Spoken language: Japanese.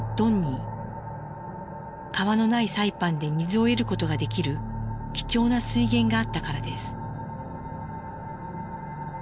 川のないサイパンで水を得ることができる貴重な水源があったからです。